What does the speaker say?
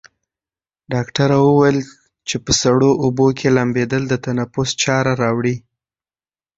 ډاکټره وویل چې په سړو اوبو کې لامبېدل د تنفس چاره راوړي.